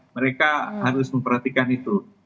mereka harus memperhatikan itu